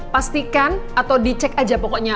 pastikan atau dicek aja pokoknya